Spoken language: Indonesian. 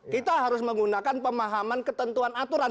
kita harus menggunakan pemahaman ketentuan aturan